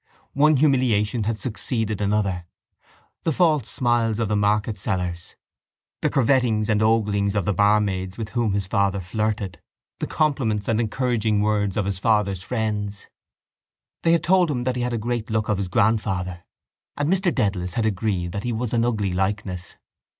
One humiliation had succeeded another—the false smiles of the market sellers, the curvetings and oglings of the barmaids with whom his father flirted, the compliments and encouraging words of his father's friends. They had told him that he had a great look of his grandfather and Mr Dedalus had agreed that he was an ugly likeness.